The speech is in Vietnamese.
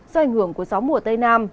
do ảnh hưởng của gió mùa tây nam